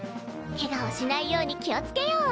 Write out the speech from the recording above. ケガをしないように気をつけよう！